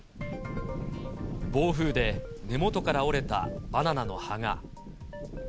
暴風で根元から折れたバナナの葉が。